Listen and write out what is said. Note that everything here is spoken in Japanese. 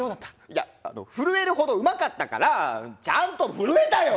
いや震えるほどうまかったからちゃんと震えたよ！